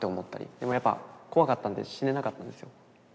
でもやっぱ怖かったんで死ねなかったんですよ。